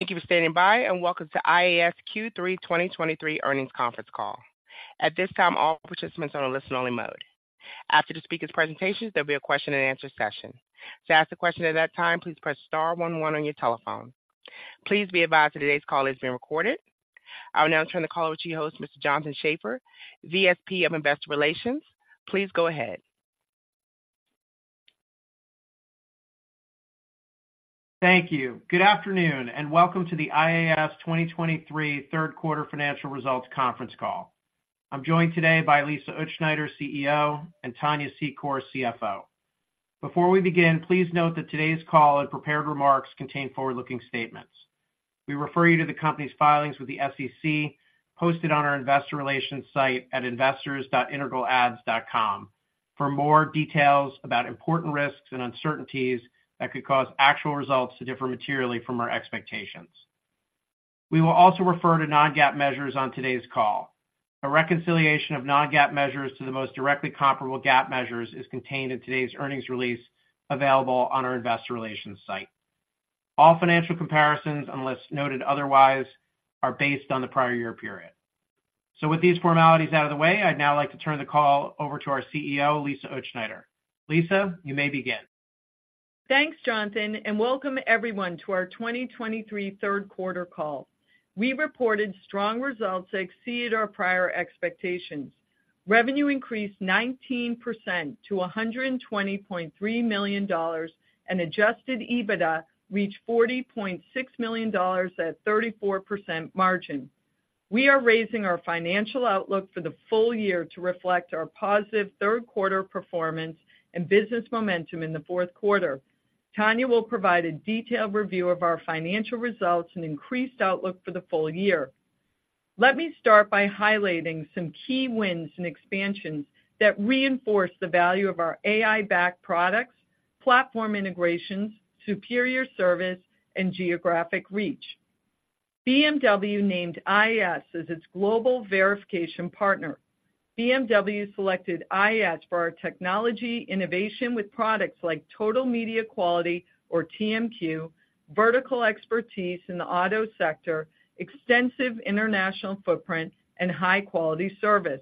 Thank you for standing by, and welcome to IAS Q3 2023 Earnings Conference Call. At this time, all participants are on a listen-only mode. After the speaker's presentations, there'll be a question-and-answer session. To ask a question at that time, please press star one one on your telephone. Please be advised that today's call is being recorded. I will now turn the call over to your host, Mr. Jonathan Schaffer, SVP of Investor Relations. Please go ahead. Thank you. Good afternoon, and welcome to the IAS 2023 Third Quarter Financial Results Conference Call. I'm joined today by Lisa Utzschneider, CEO, and Tania Secor, CFO. Before we begin, please note that today's call and prepared remarks contain forward-looking statements. We refer you to the company's filings with the SEC, posted on our Investor Relations site at investors.integralads.com, for more details about important risks and uncertainties that could cause actual results to differ materially from our expectations. We will also refer to non-GAAP measures on today's call. A reconciliation of non-GAAP measures to the most directly comparable GAAP measures is contained in today's earnings release, available on our Investor Relations site. All financial comparisons, unless noted otherwise, are based on the prior year period. With these formalities out of the way, I'd now like to turn the call over to our CEO, Lisa Utzschneider. Lisa, you may begin. Thanks, Jonathan, and welcome everyone to our 2023 third quarter call. We reported strong results that exceeded our prior expectations. Revenue increased 19% to $120.3 million, and Adjusted EBITDA reached $40.6 million at 34% margin. We are raising our financial outlook for the full year to reflect our positive third quarter performance and business momentum in the fourth quarter. Tania will provide a detailed review of our financial results and increased outlook for the full year. Let me start by highlighting some key wins and expansions that reinforce the value of our AI-backed products, platform integrations, superior service, and geographic reach. BMW named IAS as its global verification partner. BMW selected IAS for our technology innovation with products like Total Media Quality or TMQ, vertical expertise in the auto sector, extensive international footprint, and high-quality service.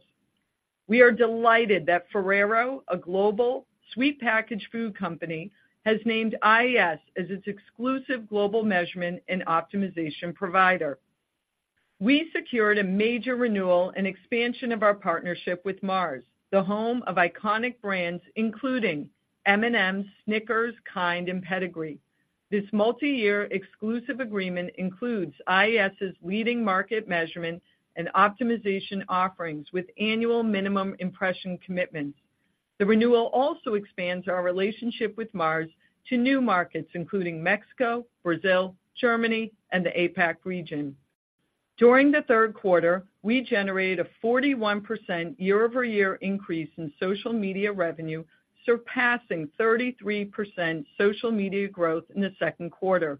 We are delighted that Ferrero, a global sweet packaged food company, has named IAS as its exclusive global measurement and optimization provider. We secured a major renewal and expansion of our partnership with Mars, the home of iconic brands including M&M'S, Snickers, Kind, and Pedigree. This multi-year exclusive agreement includes IAS's leading market measurement and optimization offerings with annual minimum impression commitments. The renewal also expands our relationship with Mars to new markets, including Mexico, Brazil, Germany, and the APAC region. During the third quarter, we generated a 41% year-over-year increase in social media revenue, surpassing 33% social media growth in the second quarter.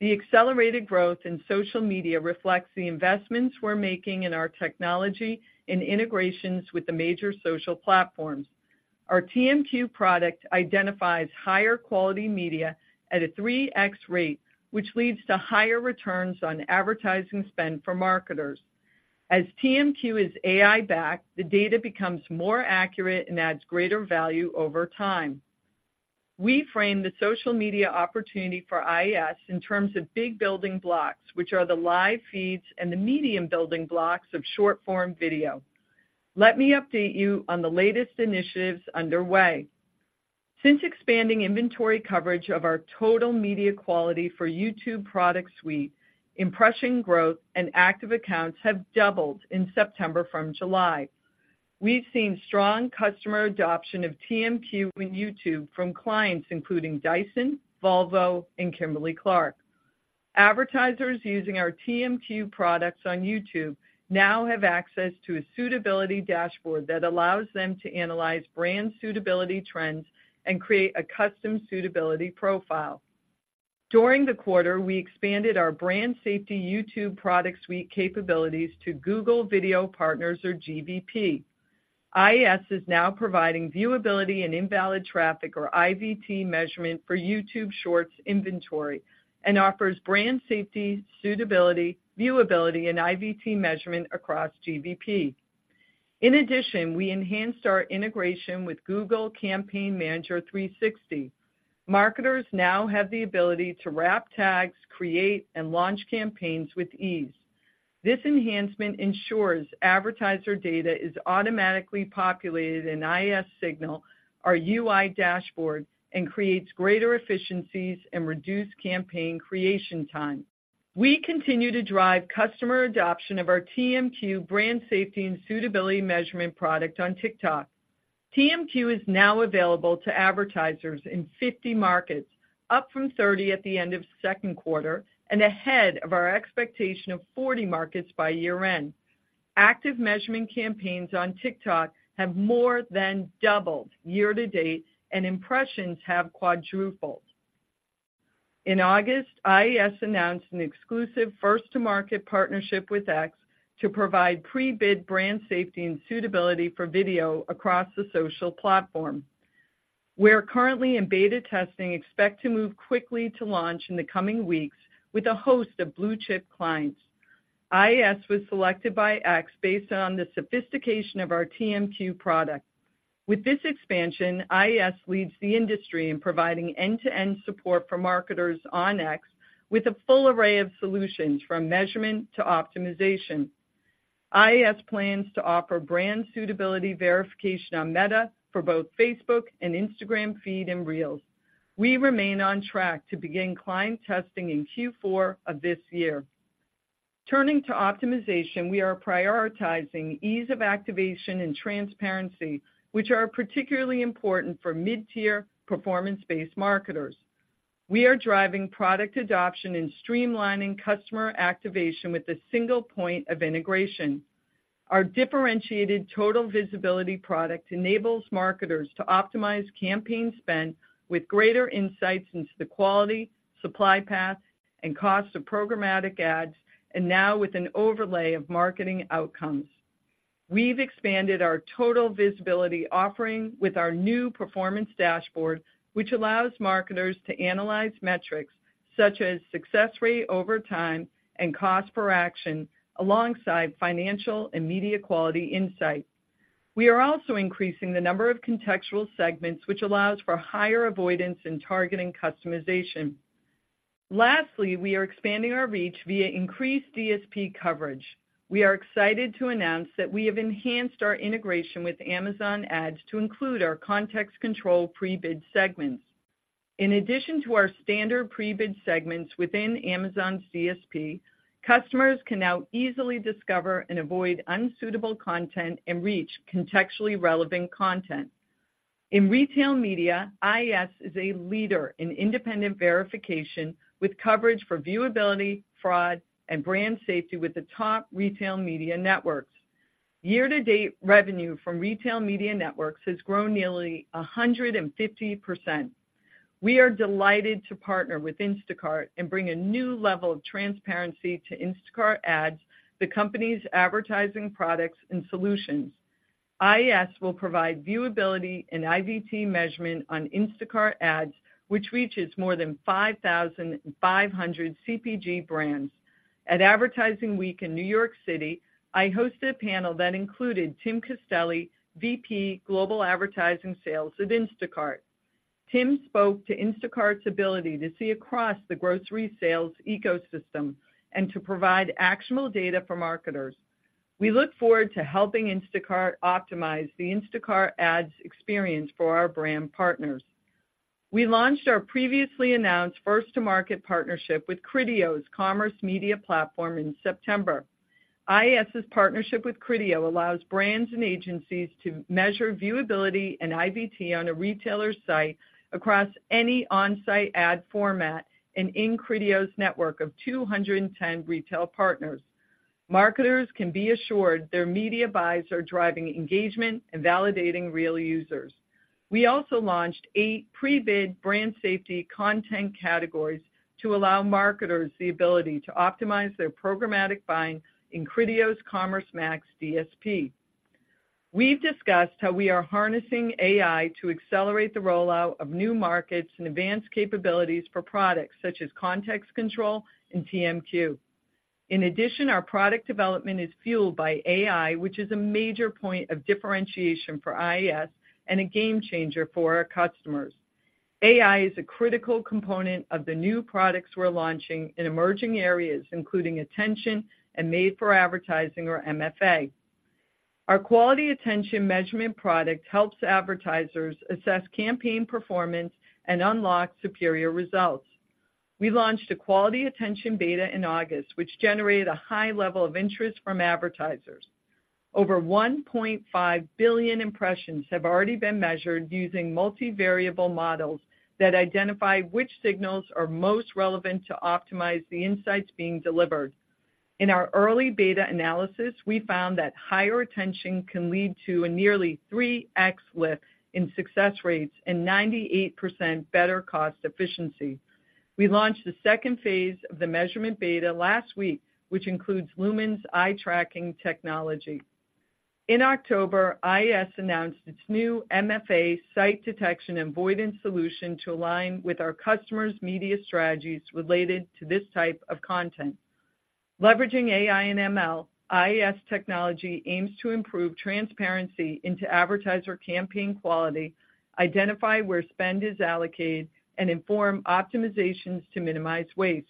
The accelerated growth in social media reflects the investments we're making in our technology and integrations with the major social platforms. Our TMQ product identifies higher quality media at a 3x rate, which leads to higher returns on advertising spend for marketers. As TMQ is AI-backed, the data becomes more accurate and adds greater value over time. We frame the social media opportunity for IAS in terms of big building blocks, which are the live feeds and the medium building blocks of short-form video. Let me update you on the latest initiatives underway. Since expanding inventory coverage of our Total Media Quality for YouTube product suite, impression growth and active accounts have doubled in September from July. We've seen strong customer adoption of TMQ in YouTube from clients including Dyson, Volvo, and Kimberly-Clark. Advertisers using our TMQ products on YouTube now have access to a suitability dashboard that allows them to analyze brand suitability trends and create a custom suitability profile. During the quarter, we expanded our brand safety YouTube product suite capabilities to Google Video Partners or GVP. IAS is now providing viewability and invalid traffic or IVT measurement for YouTube Shorts inventory and offers brand safety, suitability, viewability, and IVT measurement across GVP. In addition, we enhanced our integration with Google Campaign Manager 360. Marketers now have the ability to wrap tags, create, and launch campaigns with ease. This enhancement ensures advertiser data is automatically populated in IAS Signal, our UI dashboard, and creates greater efficiencies and reduced campaign creation time. We continue to drive customer adoption of our TMQ brand safety and suitability measurement product on TikTok. TMQ is now available to advertisers in 50 markets, up from 30 at the end of second quarter and ahead of our expectation of 40 markets by year-end. Active measurement campaigns on TikTok have more than doubled year-to-date, and impressions have quadrupled. In August, IAS announced an exclusive first-to-market partnership with X to provide pre-bid brand safety and suitability for video across the social platform. We are currently in beta testing, expect to move quickly to launch in the coming weeks with a host of blue-chip clients. IAS was selected by X based on the sophistication of our TMQ product. With this expansion, IAS leads the industry in providing end-to-end support for marketers on X with a full array of solutions, from measurement to optimization. IAS plans to offer brand suitability verification on Meta for both Facebook and Instagram feed and Reels. We remain on track to begin client testing in Q4 of this year. Turning to optimization, we are prioritizing ease of activation and transparency, which are particularly important for mid-tier, performance-based marketers. We are driving product adoption and streamlining customer activation with a single point of integration. Our differentiated Total Visibility product enables marketers to optimize campaign spend with greater insights into the quality, supply path, and cost of programmatic ads, and now with an overlay of marketing outcomes. We've expanded our Total Visibility offering with our new performance dashboard, which allows marketers to analyze metrics such as success rate over time and cost per action, alongside financial and media quality insight. We are also increasing the number of contextual segments, which allows for higher avoidance and targeting customization. Lastly, we are expanding our reach via increased DSP coverage. We are excited to announce that we have enhanced our integration with Amazon Ads to include our Context Control pre-bid segments. In addition to our standard pre-bid segments within Amazon's DSP, customers can now easily discover and avoid unsuitable content and reach contextually relevant content. In retail media, IAS is a leader in independent verification, with coverage for viewability, fraud, and brand safety with the top retail media networks. Year-to-date revenue from retail media networks has grown nearly 150%. We are delighted to partner with Instacart and bring a new level of transparency to Instacart Ads, the company's advertising products and solutions. IAS will provide viewability and IVT measurement on Instacart Ads, which reaches more than 5,500 CPG brands. At Advertising Week in New York City, I hosted a panel that included Tim Castelli, VP, Global Advertising Sales at Instacart. Tim spoke to Instacart's ability to see across the grocery sales ecosystem and to provide actionable data for marketers. We look forward to helping Instacart optimize the Instacart Ads experience for our brand partners. We launched our previously announced first-to-market partnership with Criteo's Commerce Media platform in September. IAS's partnership with Criteo allows brands and agencies to measure viewability and IVT on a retailer's site across any on-site ad format and in Criteo's network of 210 retail partners. Marketers can be assured their media buys are driving engagement and validating real users. We also launched eight pre-bid brand safety content categories to allow marketers the ability to optimize their programmatic buying in Criteo's Commerce Max DSP. We've discussed how we are harnessing AI to accelerate the rollout of new markets and advanced capabilities for products such as Contextual Control and TMQ. In addition, our product development is fueled by AI, which is a major point of differentiation for IAS and a game changer for our customers. AI is a critical component of the new products we're launching in emerging areas, including attention and Made-for-Advertising or MFA. Our quality attention measurement product helps advertisers assess campaign performance and unlock superior results. We launched a quality attention beta in August, which generated a high level of interest from advertisers. Over 1.5 billion impressions have already been measured using multivariable models that identify which signals are most relevant to optimize the insights being delivered. In our early beta analysis, we found that higher attention can lead to a nearly 3x lift in success rates and 98% better cost efficiency. We launched the second phase of the measurement beta last week, which includes Lumen's eye tracking technology. In October, IAS announced its new MFA site detection and avoidance solution to align with our customers' media strategies related to this type of content. Leveraging AI and ML, IAS technology aims to improve transparency into advertiser campaign quality, identify where spend is allocated, and inform optimizations to minimize waste.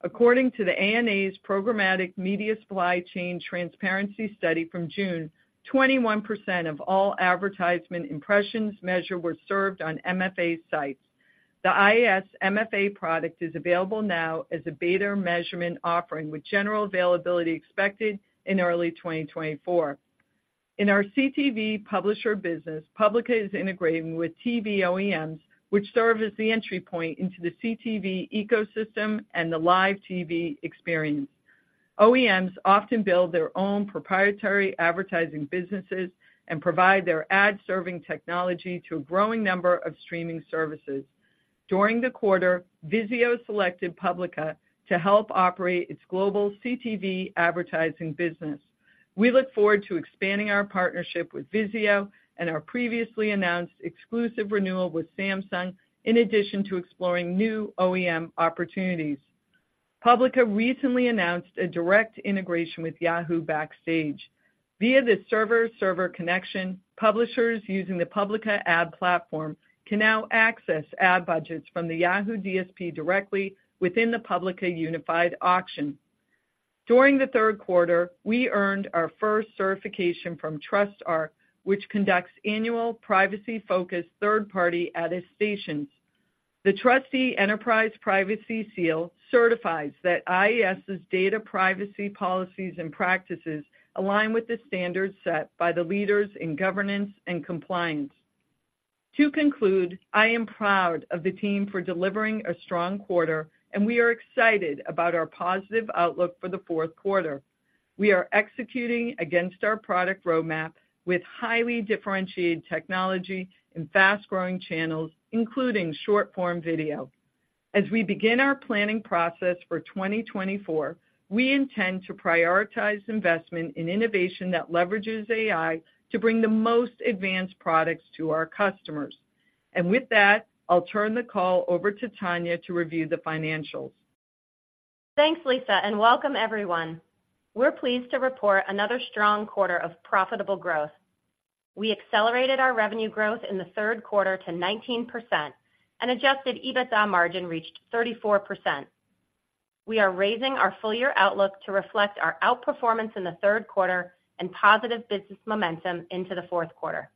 According to the ANA's Programmatic Media Supply Chain Transparency Study from June, 21% of all advertisement impressions measured were served on MFA sites. The IAS MFA product is available now as a beta measurement offering, with general availability expected in early 2024. In our CTV publisher business, Publica is integrating with TV OEMs, which serve as the entry point into the CTV ecosystem and the live TV experience. OEMs often build their own proprietary advertising businesses and provide their ad-serving technology to a growing number of streaming services. During the quarter, Vizio selected Publica to help operate its global CTV advertising business. We look forward to expanding our partnership with Vizio and our previously announced exclusive renewal with Samsung, in addition to exploring new OEM opportunities. Publica recently announced a direct integration with Yahoo Backstage. Via the server-to-server connection, publishers using the Publica ad platform can now access ad budgets from the Yahoo DSP directly within the Publica unified auction. During the third quarter, we earned our first certification from TrustArc, which conducts annual privacy-focused third-party attestations. The TRUSTe Enterprise Privacy Seal certifies that IAS's data privacy policies and practices align with the standards set by the leaders in governance and compliance. To conclude, I am proud of the team for delivering a strong quarter, and we are excited about our positive outlook for the fourth quarter. We are executing against our product roadmap with highly differentiated technology and fast-growing channels, including short-form video. As we begin our planning process for 2024, we intend to prioritize investment in innovation that leverages AI to bring the most advanced products to our customers. With that, I'll turn the call over to Tania to review the financials. Thanks, Lisa, and welcome everyone. We're pleased to report another strong quarter of profitable growth. We accelerated our revenue growth in the third quarter to 19% and Adjusted EBITDA margin reached 34%. We are raising our full year outlook to reflect our outperformance in the third quarter and positive business momentum into the fourth quarter.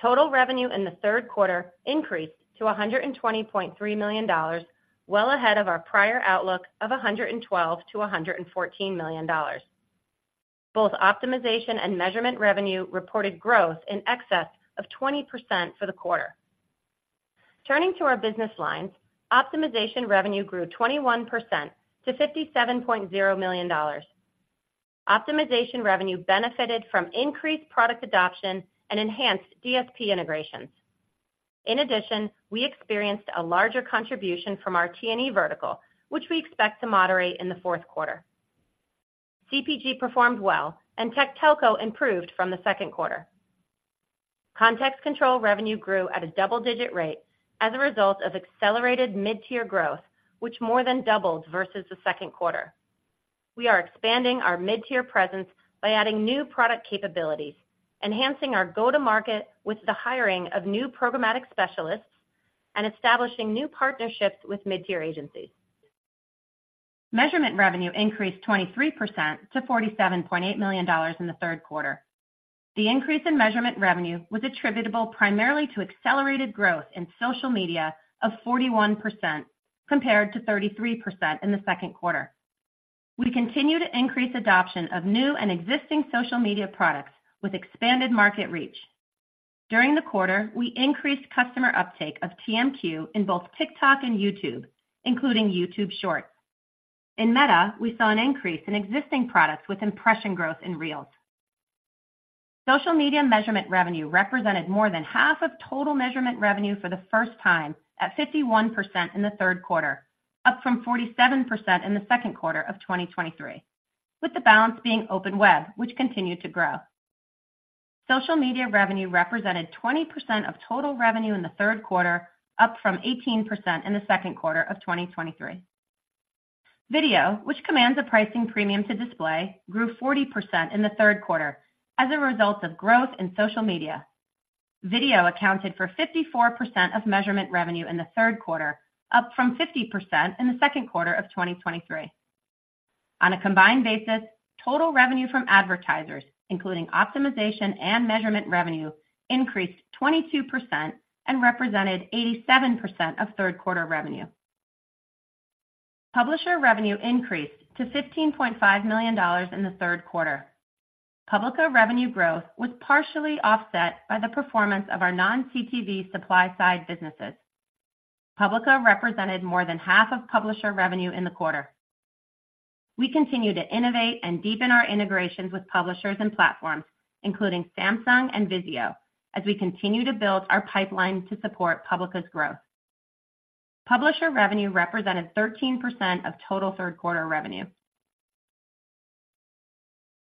Total revenue in the third quarter increased to $120.3 million, well ahead of our prior outlook of $112 million-$114 million. Both optimization and measurement revenue reported growth in excess of 20% for the quarter. Turning to our business lines, optimization revenue grew 21% to $57.0 million. Optimization revenue benefited from increased product adoption and enhanced DSP integrations. In addition, we experienced a larger contribution from our T&E vertical, which we expect to moderate in the fourth quarter. CPG performed well, and Tech Telco improved from the second quarter. Context Control revenue grew at a double-digit rate as a result of accelerated mid-tier growth, which more than doubled versus the second quarter. We are expanding our mid-tier presence by adding new product capabilities, enhancing our go-to-market with the hiring of new programmatic specialists, and establishing new partnerships with mid-tier agencies. Measurement revenue increased 23% to $47.8 million in the third quarter. The increase in measurement revenue was attributable primarily to accelerated growth in social media of 41%, compared to 33% in the second quarter. We continue to increase adoption of new and existing social media products with expanded market reach. During the quarter, we increased customer uptake of TMQ in both TikTok and YouTube, including YouTube Shorts. In Meta, we saw an increase in existing products with impression growth in Reels. Social media measurement revenue represented more than half of total measurement revenue for the first time at 51% in the third quarter, up from 47% in the second quarter of 2023, with the balance being open web, which continued to grow. Social media revenue represented 20% of total revenue in the third quarter, up from 18% in the second quarter of 2023. Video, which commands a pricing premium to display, grew 40% in the third quarter as a result of growth in social media. Video accounted for 54% of measurement revenue in the third quarter, up from 50% in the second quarter of 2023. On a combined basis, total revenue from advertisers, including optimization and measurement revenue, increased 22% and represented 87% of third quarter revenue. Publisher revenue increased to $15.5 million in the third quarter. Publica revenue growth was partially offset by the performance of our non-CTV supply-side businesses. Publica represented more than half of publisher revenue in the quarter. We continue to innovate and deepen our integrations with publishers and platforms, including Samsung and Vizio, as we continue to build our pipeline to support Publica's growth. Publisher revenue represented 13% of total third quarter revenue.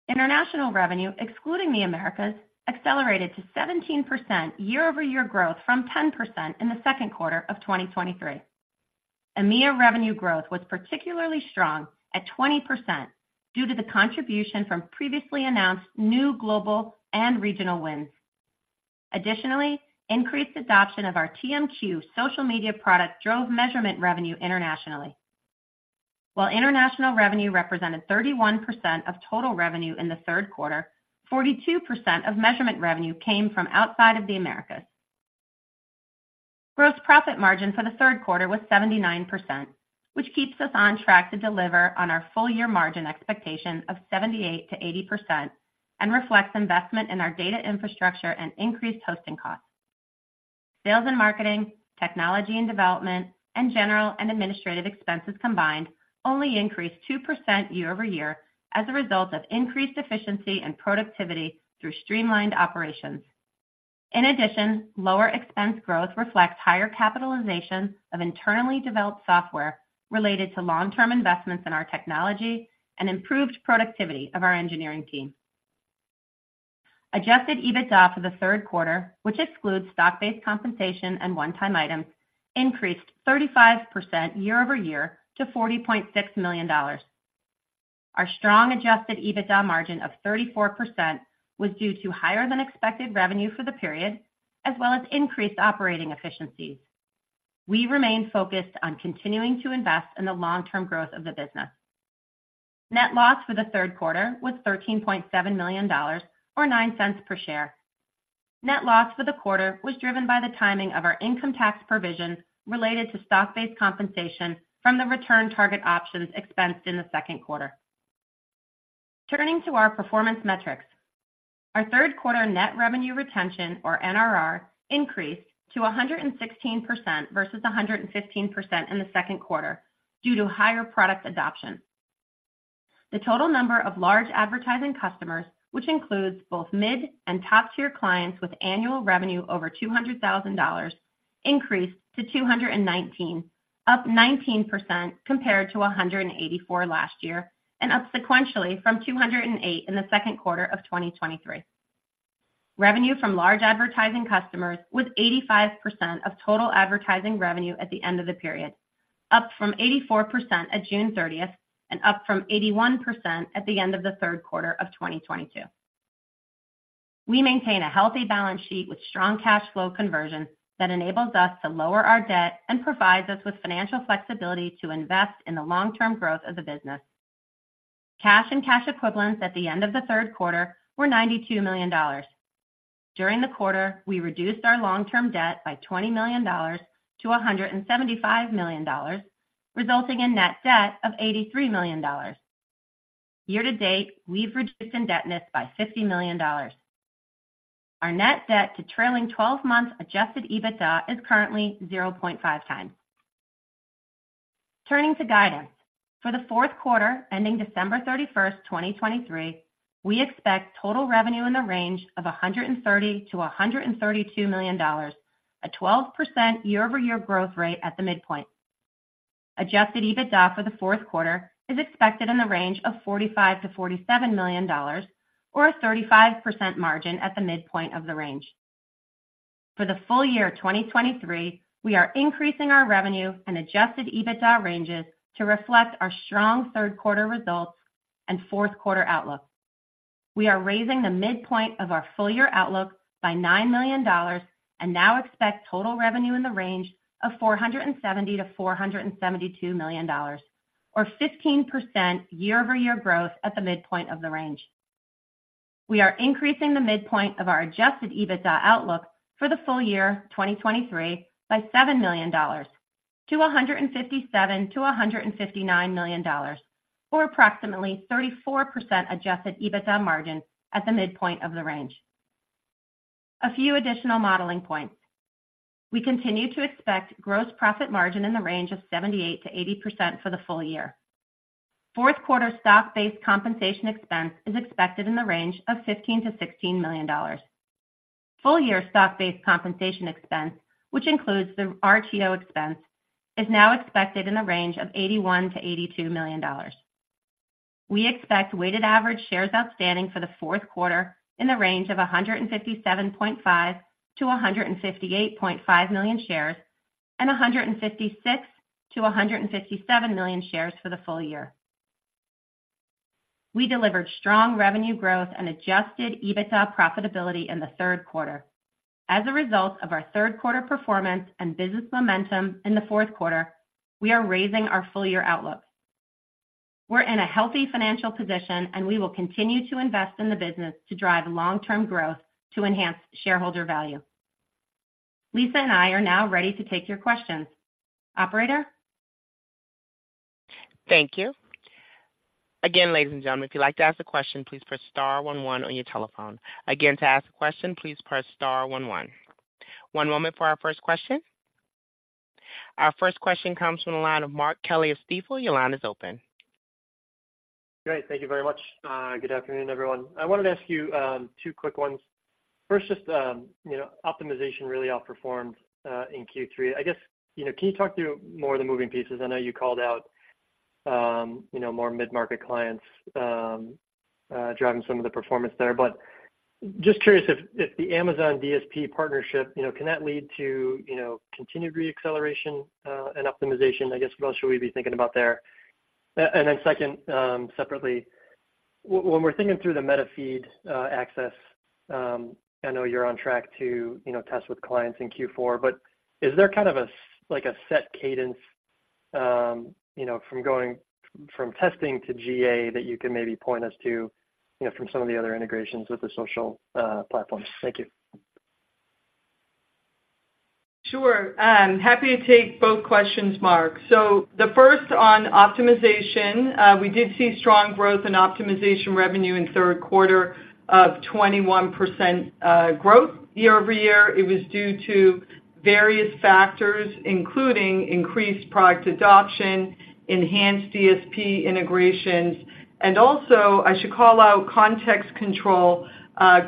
International revenue, excluding the Americas, accelerated to 17% year-over-year growth from 10% in the second quarter of 2023. EMEA revenue growth was particularly strong at 20% due to the contribution from previously announced new global and regional wins. Additionally, increased adoption of our TMQ social media product drove measurement revenue internationally. While international revenue represented 31% of total revenue in the third quarter, 42% of measurement revenue came from outside of the Americas. Gross profit margin for the third quarter was 79%, which keeps us on track to deliver on our full-year margin expectation of 78%-80% and reflects investment in our data infrastructure and increased hosting costs. Sales and marketing, technology and development, and general and administrative expenses combined only increased 2% year-over-year as a result of increased efficiency and productivity through streamlined operations. In addition, lower expense growth reflects higher capitalization of internally developed software related to long-term investments in our technology and improved productivity of our engineering team. Adjusted EBITDA for the third quarter, which excludes stock-based compensation and one-time items, increased 35% year-over-year to $40.6 million. Our strong Adjusted EBITDA margin of 34% was due to higher than expected revenue for the period, as well as increased operating efficiencies. We remain focused on continuing to invest in the long-term growth of the business. Net loss for the third quarter was $13.7 million or $0.09 per share. Net loss for the quarter was driven by the timing of our income tax provisions related to stock-based compensation from the Return Target Options expensed in the second quarter. Turning to our performance metrics. Our third quarter Net Revenue Retention, or NRR, increased to 116% versus 115% in the second quarter, due to higher product adoption. The total number of large advertising customers, which includes both mid and top-tier clients with annual revenue over $200,000, increased to 219, up 19% compared to 184 last year, and up sequentially from 208 in the second quarter of 2023. Revenue from large advertising customers was 85% of total advertising revenue at the end of the period, up from 84% at June 30th and up from 81% at the end of the third quarter of 2022. We maintain a healthy balance sheet with strong cash flow conversion that enables us to lower our debt and provides us with financial flexibility to invest in the long-term growth of the business. Cash-and-cash equivalents at the end of the third quarter were $92 million. During the quarter, we reduced our long-term debt by $20 million-$175 million, resulting in net debt of $83 million. Year-to-date, we've reduced indebtedness by $50 million. Our net debt to trailing 12 months Adjusted EBITDA is currently 0.5x. Turning to guidance. For the fourth quarter, ending December 31st, 2023, we expect total revenue in the range of $130 million-$132 million, a 12% year-over-year growth rate at the midpoint. Adjusted EBITDA for the fourth quarter is expected in the range of $45 million-$47 million or a 35% margin at the midpoint of the range. For the full year of 2023, we are increasing our revenue and Adjusted EBITDA ranges to reflect our strong third quarter results and fourth quarter outlook. We are raising the midpoint of our full-year outlook by $9 million and now expect total revenue in the range of $470 million-$472 million or 15% year-over-year growth at the midpoint of the range. We are increasing the midpoint of our Adjusted EBITDA outlook for the full year 2023 by $7 million to $157 million-$159 million, or approximately 34% Adjusted EBITDA margin at the midpoint of the range. A few additional modeling points. We continue to expect gross profit margin in the range of 78%-80% for the full year. Fourth quarter stock-based compensation expense is expected in the range of $15 million-$16 million. Full-year stock-based compensation expense, which includes the RTO expense, is now expected in the range of $81 million-$82 million. We expect weighted average shares outstanding for the fourth quarter in the range of 157.5 million-158.5 million shares and 156 million-157 million shares for the full year. We delivered strong revenue growth and Adjusted EBITDA profitability in the third quarter. As a result of our third quarter performance and business momentum in the fourth quarter, we are raising our full year outlook. We're in a healthy financial position, and we will continue to invest in the business to drive long-term growth to enhance shareholder value. Lisa and I are now ready to take your questions. Operator? Thank you. Again, ladies, and gentlemen, if you'd like to ask a question, please press star one one on your telephone. Again, to ask a question, please press star one one. One moment for our first question. Our first question comes from the line of Mark Kelley of Stifel. Your line is open. Great. Thank you very much. Good afternoon, everyone. I wanted to ask you two quick ones. First, just, you know, optimization really outperformed in Q3. I guess, you know, can you talk through more of the moving pieces? I know you called out, you know, more mid-market clients driving some of the performance there. But just curious if the Amazon DSP partnership, you know, can that lead to, you know, continued re-acceleration and optimization? I guess, what else should we be thinking about there? And then, second, separately, when we're thinking through the Meta Feed access, I know you're on track to, you know, test with clients in Q4, but is there kind of a, like, a set cadence, you know, from going from testing to GA that you can maybe point us to, you know, from some of the other integrations with the social platforms? Thank you. Sure. Happy to take both questions, Mark. So the first on optimization, we did see strong growth in optimization revenue in third quarter of 21% growth year-over-year. It was due to various factors, including increased product adoption, enhanced DSP integrations, and also, I should call out Context Control,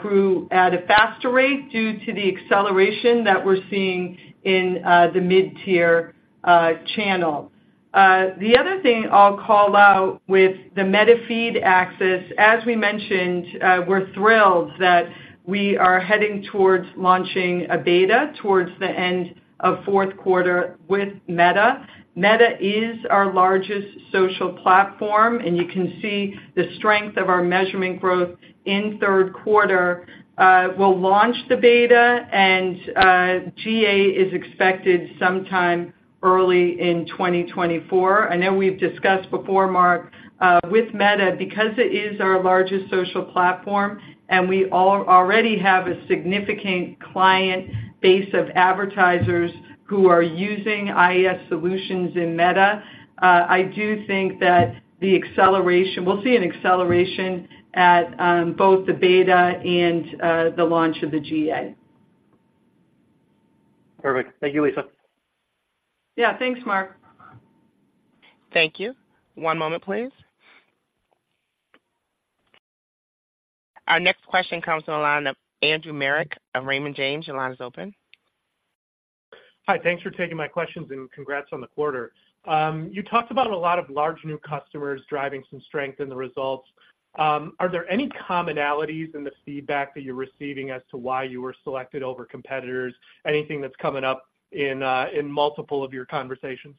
grew at a faster rate due to the acceleration that we're seeing in the mid-tier channel. The other thing I'll call out with the Meta Feed access, as we mentioned, we're thrilled that we are heading towards launching a beta towards the end of fourth quarter with Meta. Meta is our largest social platform, and you can see the strength of our measurement growth in third quarter, will launch the beta, and, GA is expected sometime early in 2024. I know we've discussed before, Mark, with Meta, because it is our largest social platform, and we already have a significant client base of advertisers who are using IAS solutions in Meta. I do think that the acceleration—we'll see an acceleration at both the beta and the launch of the GA. Perfect. Thank you, Lisa. Yeah, thanks, Mark. Thank you. One moment, please. Our next question comes on the line of Andrew Marok of Raymond James. Your line is open. Hi, thanks for taking my questions, and congrats on the quarter. You talked about a lot of large new customers driving some strength in the results. Are there any commonalities in the feedback that you're receiving as to why you were selected over competitors? Anything that's coming up in multiple of your conversations?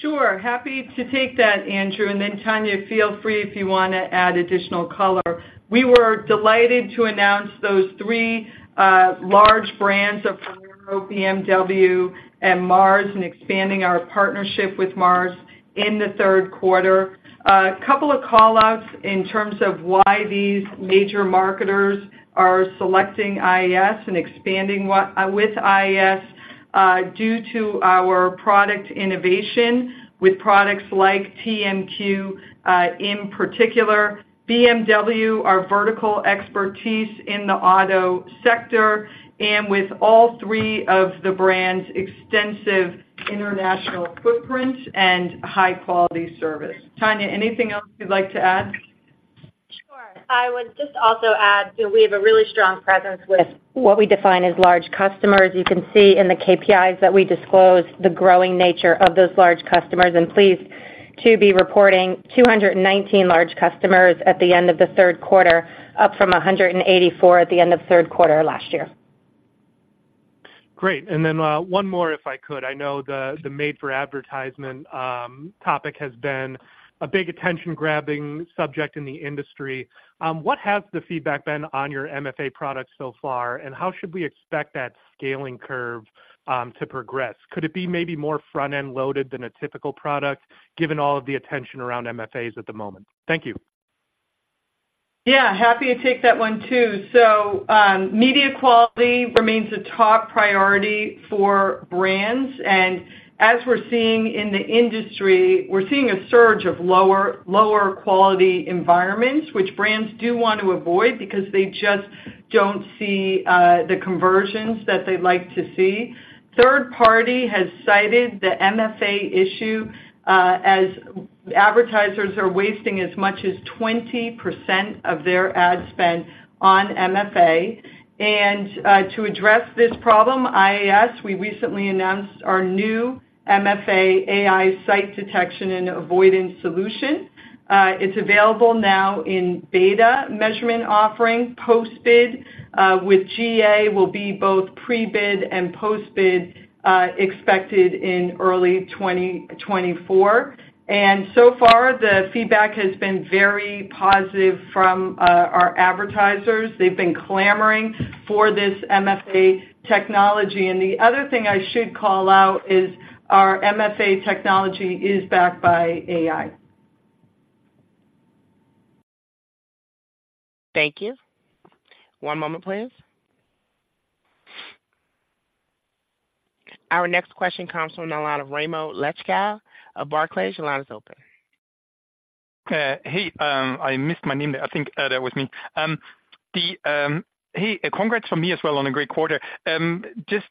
Sure. Happy to take that, Andrew, and then Tania, feel free if you wanna add additional color. We were delighted to announce those three, large brands of Ferrero, BMW, and Mars, and expanding our partnership with Mars in the third quarter. A couple of call-outs in terms of why these major marketers are selecting IAS and expanding what, with IAS, due to our product innovation with products like TMQ, in particular, BMW, our vertical expertise in the auto sector, and with all three of the brands, extensive international footprint and high-quality service. Tania, anything else you'd like to add? Sure. I would just also add that we have a really strong presence with what we define as large customers. You can see in the KPIs that we disclose, the growing nature of those large customers, and pleased to be reporting 219 large customers at the end of the third quarter, up from 184 at the end of third quarter last year. Great. And then, one more, if I could. I know the Made-for-Advertising topic has been a big attention-grabbing subject in the industry. What has the feedback been on your MFA product so far, and how should we expect that scaling curve to progress? Could it be maybe more front-end loaded than a typical product, given all of the attention around MFAs at the moment? Thank you. Yeah, happy to take that one, too. So, media quality remains a top priority for brands, and as we're seeing in the industry, we're seeing a surge of lower, lower quality environments, which brands do want to avoid because they just don't see the conversions that they'd like to see. Third party has cited the MFA issue as advertisers are wasting as much as 20% of their ad spend on MFA. And to address this problem, IAS, we recently announced our new MFA AI site detection and avoidance solution. It's available now in beta measurement offering, post-bid, with GA will be both pre-bid and post-bid, expected in early 2024. And so far, the feedback has been very positive from our advertisers. They've been clamoring for this MFA technology. The other thing I should call out is our MFA technology is backed by AI. Thank you. One moment, please. Our next question comes from the line of Raimo Lenschow of Barclays. Your line is open. Hey, I missed my name there. I think that was me. Hey, congrats from me as well on a great quarter. Just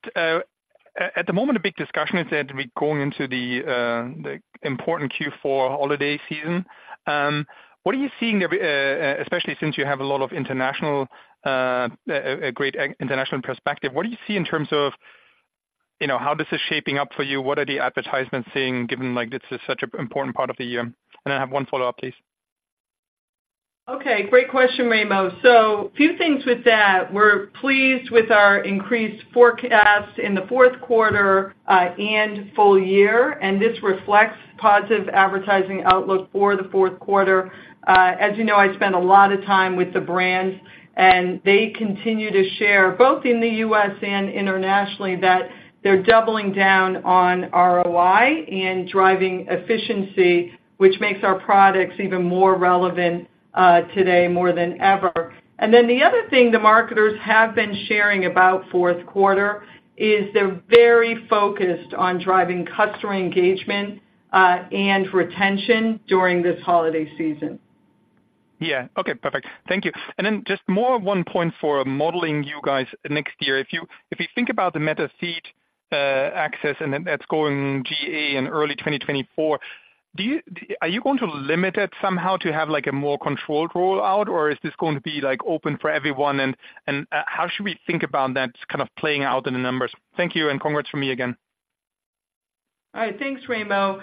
at the moment, a big discussion is that we're going into the important Q4 holiday season. What are you seeing, especially since you have a lot of international, a great international perspective, what do you see in terms of, you know, how this is shaping up for you? What are the advertisements seeing, given, like, this is such an important part of the year? And I have one follow-up, please. Okay, great question, Raimo. So a few things with that. We're pleased with our increased forecast in the fourth quarter, and full year, and this reflects positive advertising outlook for the fourth quarter. As you know, I spent a lot of time with the brands, and they continue to share, both in the U.S. and internationally, that they're doubling down on ROI and driving efficiency, which makes our products even more relevant, today, more than ever. And then the other thing the marketers have been sharing about fourth quarter is they're very focused on driving customer engagement, and retention during this holiday season. Yeah. Okay, perfect. Thank you. Then just more one point for modeling you guys next year. If you think about the Meta feed access, and then that's going GA in early 2024. ... Are you going to limit it somehow to have, like, a more controlled rollout, or is this going to be, like, open for everyone? And how should we think about that kind of playing out in the numbers? Thank you, and congrats from me again. All right, thanks, Raimo.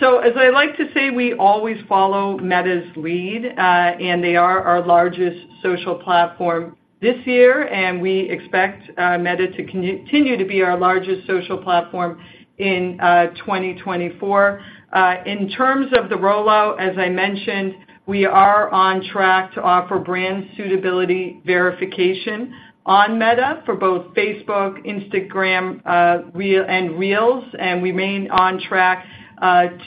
So as I like to say, we always follow Meta's lead, and they are our largest social platform this year, and we expect Meta to continue to be our largest social platform in 2024. In terms of the rollout, as I mentioned, we are on track to offer brand suitability verification on Meta for both Facebook, Instagram, Reels, and Reels, and we remain on track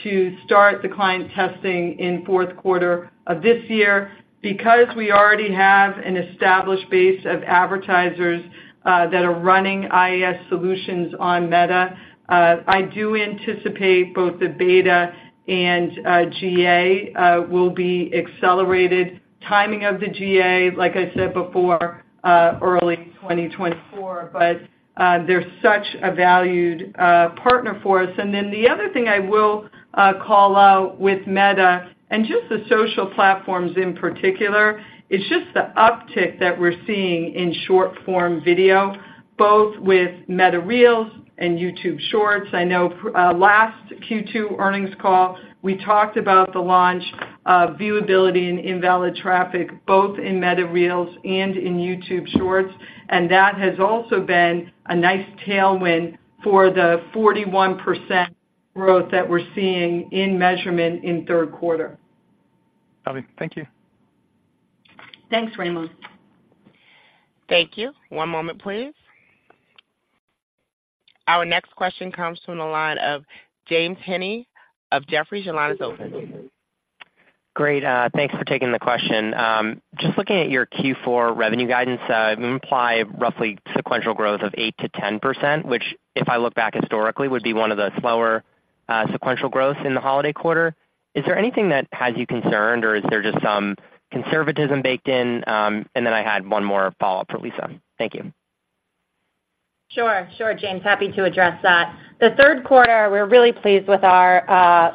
to start the client testing in fourth quarter of this year. Because we already have an established base of advertisers that are running IAS solutions on Meta, I do anticipate both the beta and GA will be accelerated. Timing of the GA, like I said before, early 2024, but they're such a valued partner for us. Then the other thing I will call out with Meta, and just the social platforms in particular, it's just the uptick that we're seeing in short-form video, both with Meta Reels and YouTube Shorts. I know, last Q2 earnings call, we talked about the launch of viewability and invalid traffic, both in Meta Reels and in YouTube Shorts, and that has also been a nice tailwind for the 41% growth that we're seeing in measurement in third quarter. Got it. Thank you. Thanks, Raimo. Thank you. One moment, please. Our next question comes from the line of James Heaney of Jefferies. Your line is open. Great, thanks for taking the question. Just looking at your Q4 revenue guidance, you imply roughly sequential growth of 8%-10%, which, if I look back historically, would be one of the slower, sequential growths in the holiday quarter. Is there anything that has you concerned, or is there just some conservatism baked in? And then I had one more follow-up for Lisa. Thank you. Sure. Sure, James, happy to address that. The third quarter, we're really pleased with our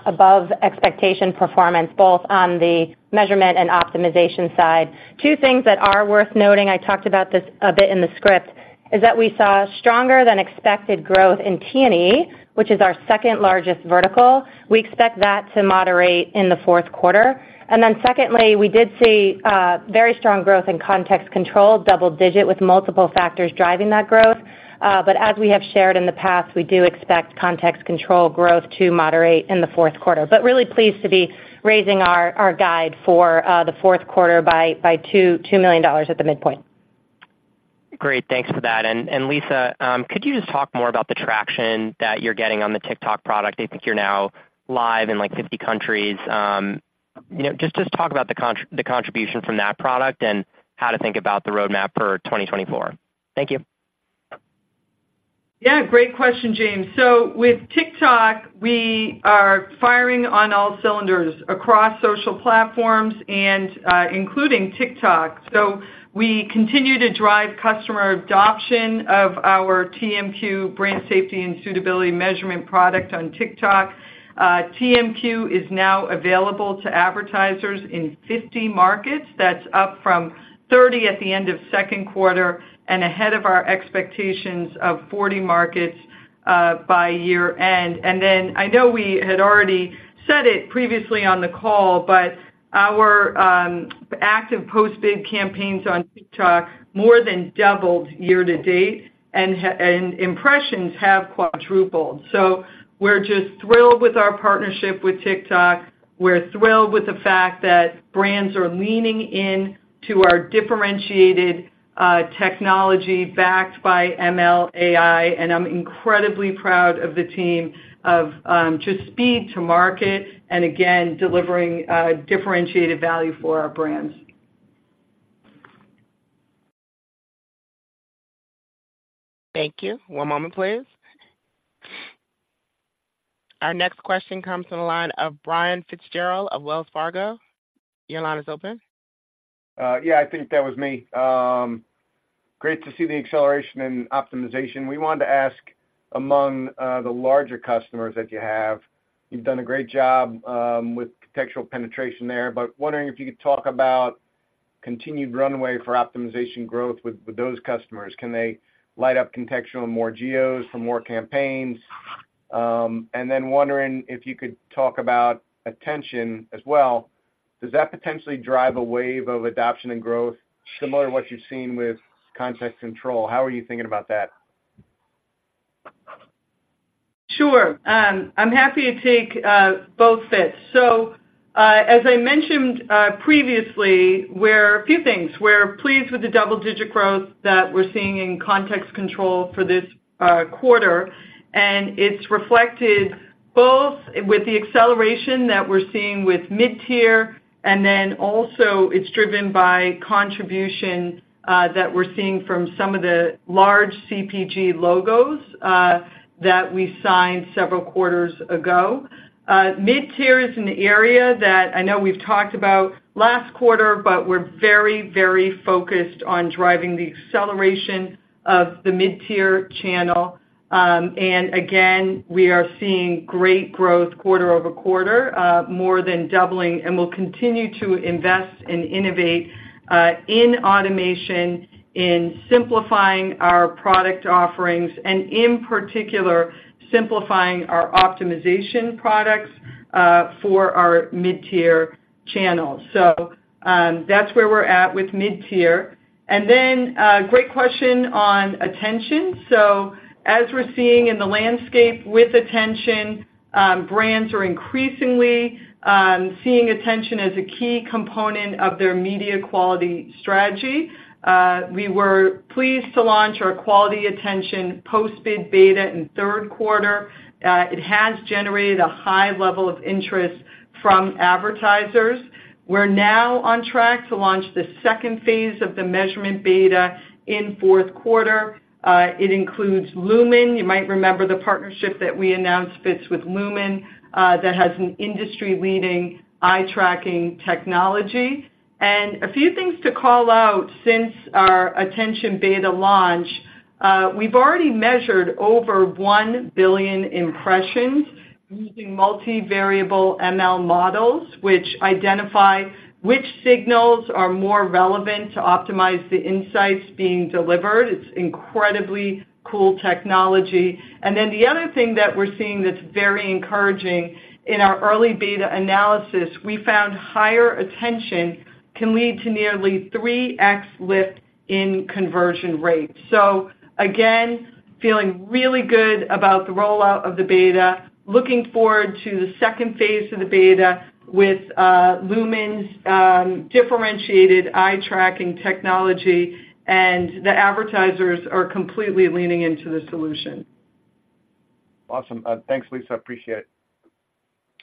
above-expectation performance, both on the measurement and optimization side. Two things that are worth noting, I talked about this a bit in the script, is that we saw stronger than expected growth in T&E, which is our second-largest vertical. We expect that to moderate in the fourth quarter. And then secondly, we did see very strong growth in Context Control, double digit, with multiple factors driving that growth. But as we have shared in the past, we do expect Context Control growth to moderate in the fourth quarter. But really pleased to be raising our guide for the fourth quarter by $2 million at the midpoint. Great. Thanks for that. And, Lisa, could you just talk more about the traction that you're getting on the TikTok product? I think you're now live in, like, 50 countries. You know, just talk about the contribution from that product and how to think about the roadmap for 2024. Thank you. Yeah, great question, James. So with TikTok, we are firing on all cylinders across social platforms and including TikTok. So we continue to drive customer adoption of our TMQ brand safety and suitability measurement product on TikTok. TMQ is now available to advertisers in 50 markets. That's up from 30 at the end of second quarter and ahead of our expectations of 40 markets by year-end. And then I know we had already said it previously on the call, but our active post-bid campaigns on TikTok more than doubled year-to-date, and impressions have quadrupled. So we're just thrilled with our partnership with TikTok. We're thrilled with the fact that brands are leaning in to our differentiated technology backed by ML/AI, and I'm incredibly proud of the team of just speed to market and again, delivering differentiated value for our brands. Thank you. One moment, please. Our next question comes from the line of Brian Fitzgerald of Wells Fargo. Your line is open. Yeah, I think that was me. Great to see the acceleration in optimization. We wanted to ask among the larger customers that you have. You've done a great job with contextual penetration there, but wondering if you could talk about continued runway for optimization growth with those customers. Can they light up contextual in more geos for more campaigns? And then wondering if you could talk about attention as well. Does that potentially drive a wave of adoption and growth similar to what you've seen with Context Control? How are you thinking about that? Sure. I'm happy to take both fits. So, as I mentioned previously, we're a few things. We're pleased with the double-digit growth that we're seeing in Context Control for this quarter, and it's reflected both with the acceleration that we're seeing with mid-tier, and then also it's driven by contribution that we're seeing from some of the large CPG logos that we signed several quarters ago. Mid-tier is an area that I know we've talked about last quarter, but we're very, very focused on driving the acceleration of the mid-tier channel.... and again, we are seeing great growth quarter-over-quarter, more than doubling, and we'll continue to invest and innovate in automation, in simplifying our product offerings, and in particular, simplifying our optimization products for our mid-tier channels. So, that's where we're at with mid-tier. And then, great question on attention. So as we're seeing in the landscape with attention, brands are increasingly seeing attention as a key component of their media quality strategy. We were pleased to launch our quality attention post-bid beta in third quarter. It has generated a high level of interest from advertisers. We're now on track to launch the second phase of the measurement beta in fourth quarter. It includes Lumen. You might remember the partnership that we announced, Fitz, with Lumen, that has an industry-leading eye tracking technology. And a few things to call out since our attention beta launch, we've already measured over 1 billion impressions using multivariable ML models, which identify which signals are more relevant to optimize the insights being delivered. It's incredibly cool technology. And then the other thing that we're seeing that's very encouraging, in our early beta analysis, we found higher attention can lead to nearly 3x lift in conversion rates. So again, feeling really good about the rollout of the beta. Looking forward to the second phase of the beta with Lumen's differentiated eye tracking technology, and the advertisers are completely leaning into the solution. Awesome. Thanks, Lisa, appreciate it.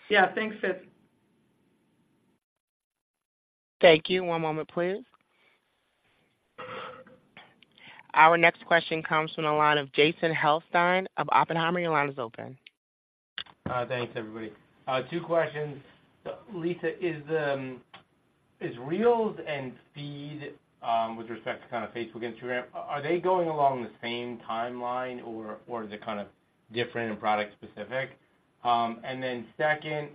Yeah, thanks, Fitz. Thank you. One moment, please. Our next question comes from the line of Jason Helfstein of Oppenheimer. Your line is open. Thanks, everybody. Two questions. Lisa, is Reels and Feed, with respect to kind of Facebook, Instagram, are they going along the same timeline, or is it kind of different and product specific? And then second,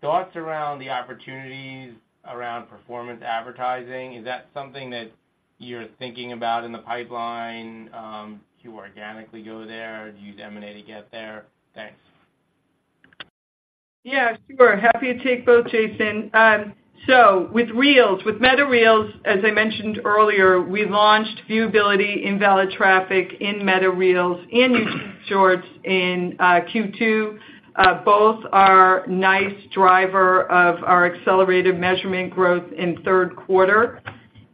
thoughts around the opportunities around performance advertising. Is that something that you're thinking about in the pipeline? Do you organically go there? Do you use M&A to get there? Thanks. Yeah, sure. Happy to take both, Jason. So with Reels, with Meta Reels, as I mentioned earlier, we launched viewability invalid traffic in Meta Reels and in Shorts in Q2. Both are nice driver of our accelerated measurement growth in third quarter.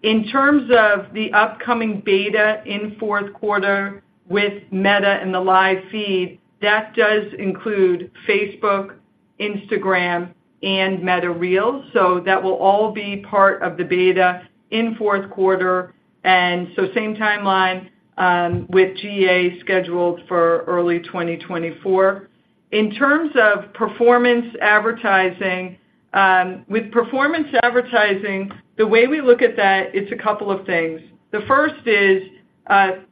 In terms of the upcoming beta in fourth quarter with Meta and the live feed, that does include Facebook, Instagram, and Meta Reels. So that will all be part of the beta in fourth quarter, and so same timeline with GA scheduled for early 2024. In terms of performance advertising, with performance advertising, the way we look at that, it's a couple of things. The first is,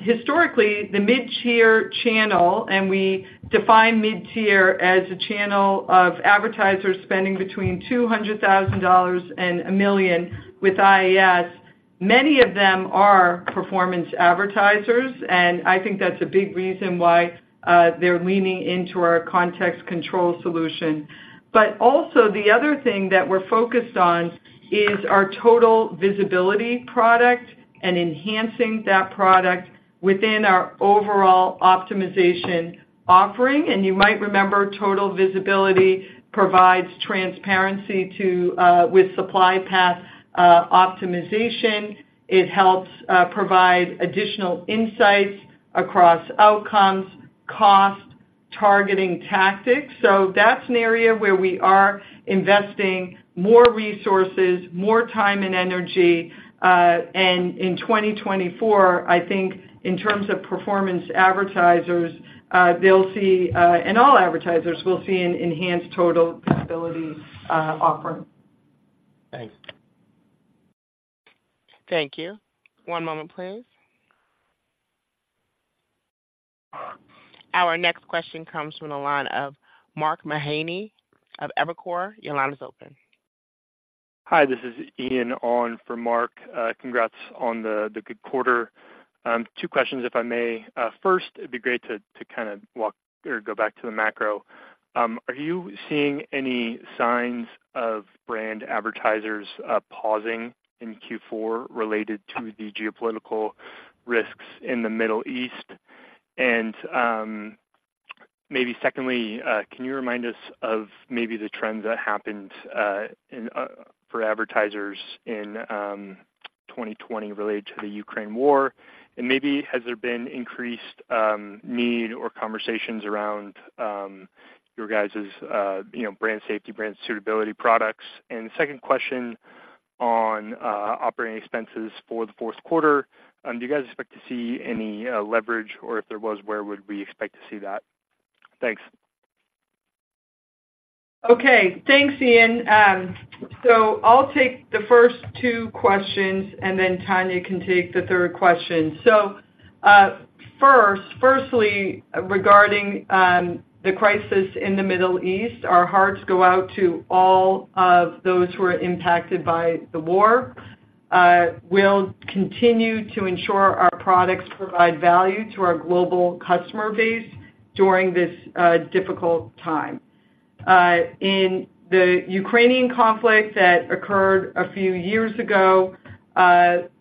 historically, the mid-tier channel, and we define mid-tier as a channel of advertisers spending between $200,000 and $1 million with IAS. Many of them are performance advertisers, and I think that's a big reason why they're leaning into our Context Control solution. But also, the other thing that we're focused on is our Total Visibility product and enhancing that product within our overall optimization offering. And you might remember, Total Visibility provides transparency to with supply path optimization. It helps provide additional insights across outcomes, cost, targeting tactics. So that's an area where we are investing more resources, more time and energy, and in 2024, I think in terms of performance advertisers, they'll see, and all advertisers will see an enhanced Total Visibility offering. Thanks. Thank you. One moment, please. Our next question comes from the line of Mark Mahaney of Evercore. Your line is open. Hi, this is Ian on for Mark. Congrats on the good quarter. Two questions, if I may. First, it'd be great to kind of walk or go back to the macro. Are you seeing any signs of brand advertisers pausing in Q4 related to the geopolitical risks in the Middle East? And maybe secondly, can you remind us of maybe the trends that happened for advertisers in 2020 related to the Ukraine war? And maybe has there been increased need or conversations around your guys' you know, brand safety, brand suitability products? And the second question on operating expenses for the fourth quarter, do you guys expect to see any leverage, or if there was, where would we expect to see that? Thanks. ... Okay, thanks, Ian. So I'll take the first two questions, and then Tania can take the third question. So, first, firstly, regarding the crisis in the Middle East, our hearts go out to all of those who are impacted by the war. We'll continue to ensure our products provide value to our global customer base during this difficult time. In the Ukrainian conflict that occurred a few years ago,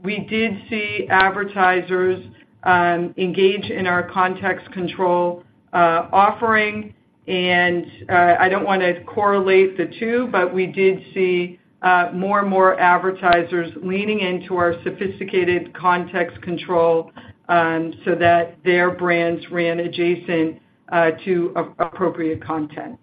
we did see advertisers engage in our Context Control offering. And I don't want to correlate the two, but we did see more and more advertisers leaning into our sophisticated Context Control so that their brands ran adjacent to appropriate content.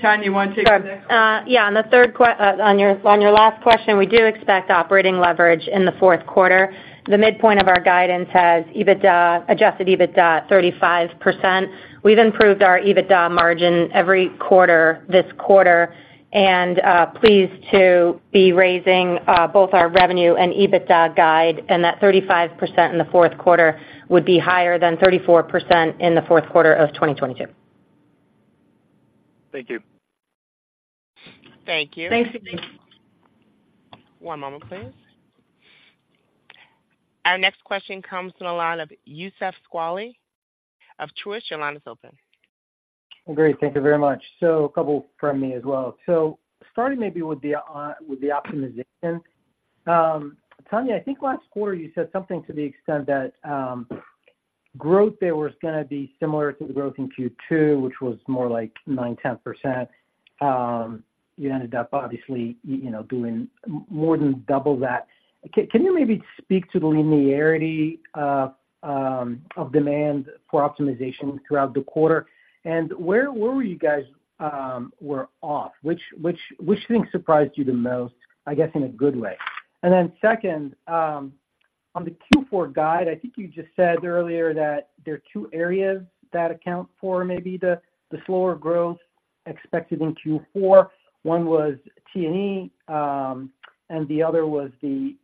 Tania, you want to take the next? Sure. Yeah, on the third question, on your last question, we do expect operating leverage in the fourth quarter. The midpoint of our guidance has EBITDA, Adjusted EBITDA, 35%. We've improved our EBITDA margin every quarter, this quarter, and pleased to be raising both our revenue and EBITDA guide, and that 35% in the fourth quarter would be higher than 34% in the fourth quarter of 2022. Thank you. Thank you. Thanks. One moment, please. Our next question comes from the line of Youssef Squali of Truist. Your line is open. Great, thank you very much. So a couple from me as well. So starting maybe with the optimization. Tania, I think last quarter you said something to the extent that growth there was gonna be similar to the growth in Q2, which was more like 9%-10%. You ended up obviously, you know, doing more than double that. Can you maybe speak to the linearity of demand for optimization throughout the quarter? And where were you guys off? Which thing surprised you the most, I guess, in a good way? And then second, on the Q4 guide, I think you just said earlier that there are two areas that account for maybe the slower growth expected in Q4. One was T&E, and the other was the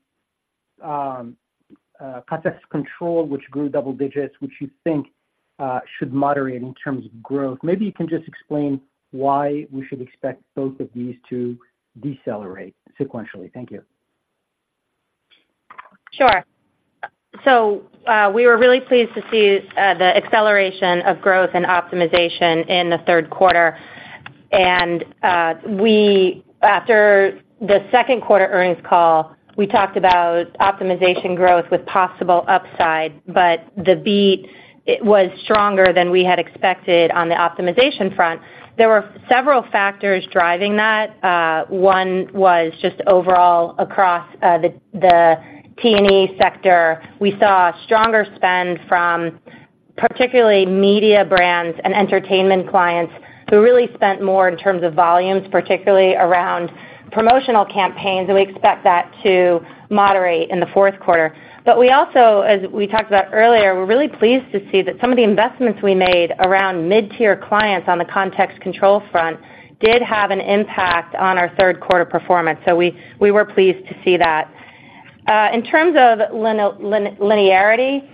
Context Control, which grew double digits, which you think should moderate in terms of growth. Maybe you can just explain why we should expect both of these to decelerate sequentially. Thank you. Sure. So, we were really pleased to see the acceleration of growth and optimization in the third quarter. And, after the second quarter earnings call, we talked about optimization growth with possible upside, but the beat, it was stronger than we had expected on the optimization front. There were several factors driving that. One was just overall across the T&E sector. We saw stronger spend from particularly media brands and entertainment clients who really spent more in terms of volumes, particularly around promotional campaigns, and we expect that to moderate in the fourth quarter. But we also, as we talked about earlier, we're really pleased to see that some of the investments we made around mid-tier clients on the Context Control front did have an impact on our third quarter performance. So we were pleased to see that. In terms of non-linearity,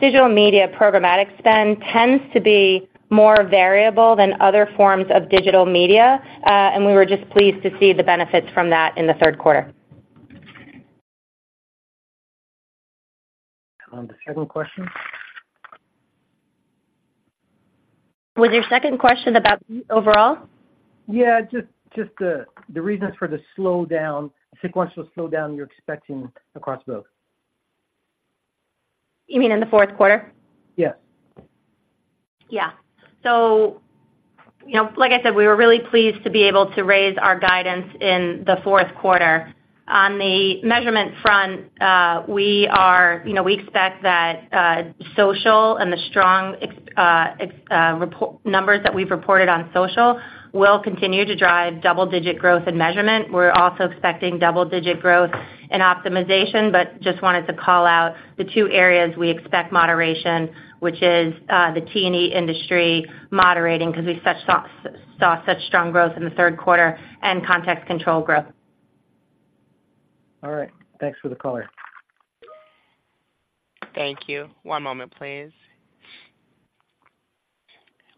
digital media programmatic spend tends to be more variable than other forms of digital media, and we were just pleased to see the benefits from that in the third quarter. The second question? Was your second question about overall? Yeah, just the reasons for the sequential slowdown you're expecting across both. You mean in the fourth quarter? Yes. Yeah. So, you know, like I said, we were really pleased to be able to raise our guidance in the fourth quarter. On the measurement front, we are, you know, we expect that social and the strong ex-reported numbers that we've reported on social will continue to drive double-digit growth and measurement. We're also expecting double-digit growth in optimization, but just wanted to call out the two areas we expect moderation, which is the T&E industry moderating because we saw such strong growth in the third quarter and Context Control growth. All right. Thanks for the color. Thank you. One moment, please.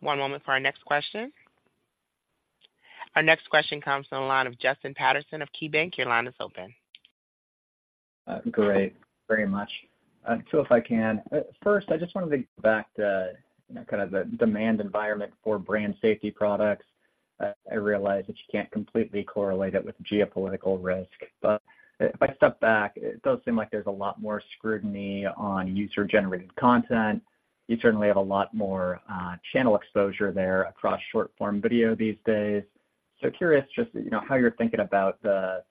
One moment for our next question. Our next question comes from the line of Justin Patterson of KeyBanc. Your line is open. Great, very much. So if I can, first, I just wanted to go back to, you know, kind of the demand environment for Brand Safety products. I realize that you can't completely correlate it with geopolitical risk, but if I step back, it does seem like there's a lot more scrutiny on user-generated content. You certainly have a lot more channel exposure there across short-form video these days. So curious just, you know, how you're thinking about the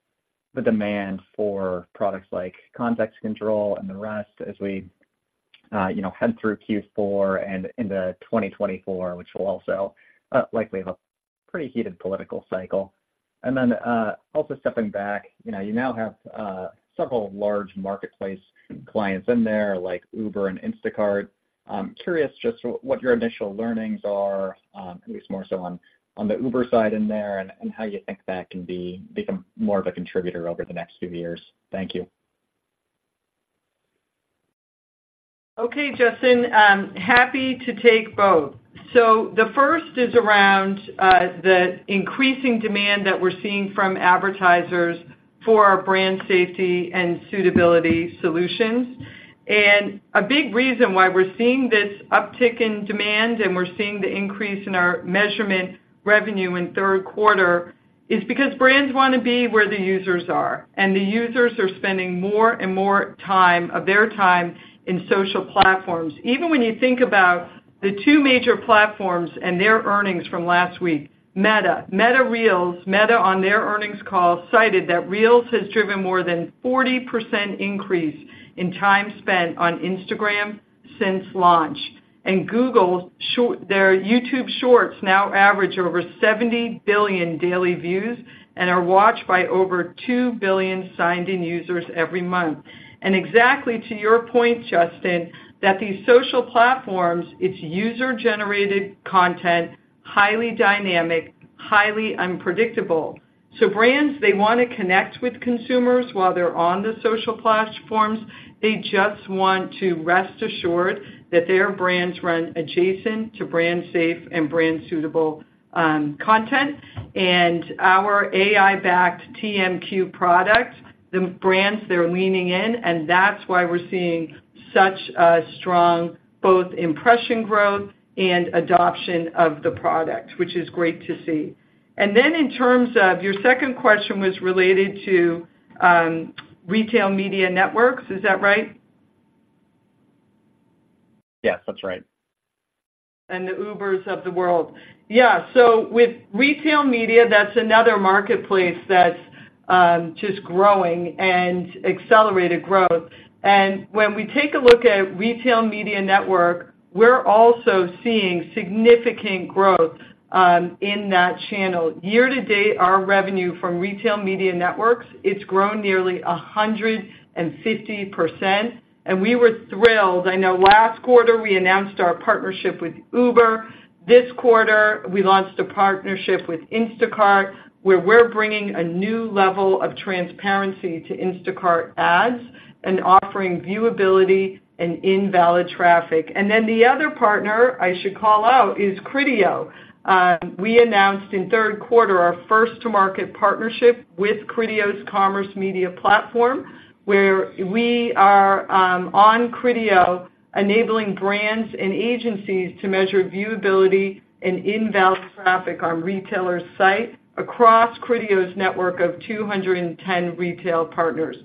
demand for products like Context Control and the rest as we, you know, head through Q4 and into 2024, which will also likely have-... pretty heated political cycle. And then, also stepping back, you know, you now have several large marketplace clients in there, like Uber and Instacart. I'm curious just what your initial learnings are, at least more so on the Uber side in there, and how you think that can become more of a contributor over the next few years. Thank you. Okay, Justin. Happy to take both. So the first is around the increasing demand that we're seeing from advertisers for our brand safety and suitability solutions. And a big reason why we're seeing this uptick in demand, and we're seeing the increase in our measurement revenue in third quarter, is because brands wanna be where the users are, and the users are spending more and more time, of their time, in social platforms. Even when you think about the two major platforms and their earnings from last week, Meta. Meta Reels, Meta, on their earnings call, cited that Reels has driven more than 40% increase in time spent on Instagram since launch. And Google, their YouTube Shorts now average over 70 billion daily views and are watched by over 2 billion signed-in users every month. And exactly to your point, Justin, that these social platforms, it's user-generated content, highly dynamic, highly unpredictable. So brands, they wanna connect with consumers while they're on the social platforms. They just want to rest assured that their brands run adjacent to brand safe and brand suitable content. And our AI-backed TMQ product, the brands, they're leaning in, and that's why we're seeing such a strong both impression growth and adoption of the product, which is great to see. And then, in terms of your second question, was related to retail media networks. Is that right? Yes, that's right. The Ubers of the world. Yeah, so with retail media, that's another marketplace that's just growing and accelerated growth. When we take a look at retail media network, we're also seeing significant growth in that channel. Year-to-date, our revenue from retail media networks has grown nearly 150%, and we were thrilled. I know last quarter, we announced our partnership with Uber. This quarter, we launched a partnership with Instacart, where we're bringing a new level of transparency to Instacart Ads and offering viewability and invalid traffic. Then the other partner I should call out is Criteo. We announced in third quarter our first-to-market partnership with Criteo's commerce media platform, where we are on Criteo, enabling brands and agencies to measure viewability and invalid traffic on retailers' sites across Criteo's network of 210 retail partners.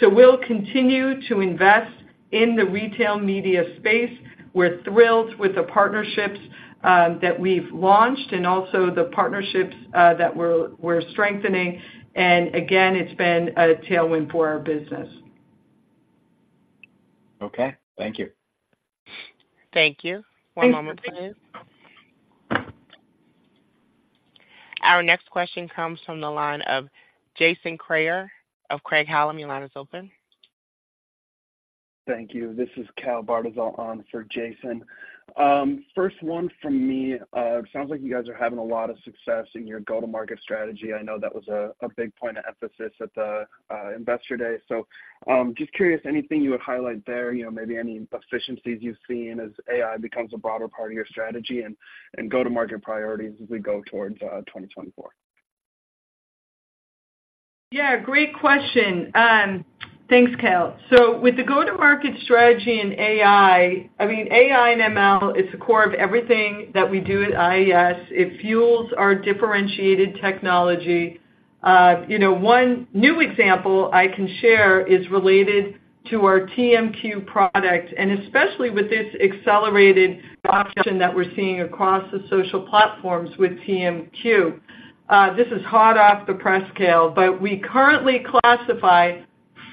We'll continue to invest in the retail media space. We're thrilled with the partnerships that we've launched and also the partnerships that we're strengthening. Again, it's been a tailwind for our business. Okay, thank you. Thank you. One moment, please. Our next question comes from the line of Jason Kreyer of Craig-Hallum. Your line is open. Thank you. This is Cal Bartyzal on for Jason. First one from me. It sounds like you guys are having a lot of success in your go-to-market strategy. I know that was a big point of emphasis at the Investor Day. So, just curious, anything you would highlight there, you know, maybe any efficiencies you've seen as AI becomes a broader part of your strategy and go-to-market priorities as we go towards 2024? Yeah, great question. Thanks, Cal. So with the go-to-market strategy in AI, I mean, AI and ML, it's the core of everything that we do at IAS. It fuels our differentiated technology. You know, one new example I can share is related to our TMQ product, and especially with this accelerated option that we're seeing across the social platforms with TMQ. This is hot off the press, Cal, but we currently classify